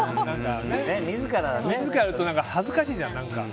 自らってなると恥ずかしいじゃん。